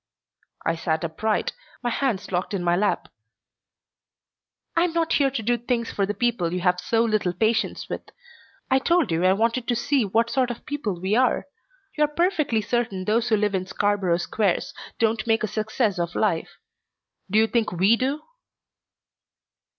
I sat upright, my hands locked in my lap. "I'm not here to do things for the people you have so little patience with. I told you I wanted to see what sort of people we are. You're perfectly certain those who live in Scarborough Squares don't make a success of life. Do you think we do?"